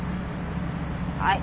はい。